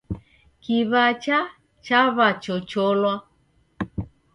Kiw'acha chaw'achocholwa.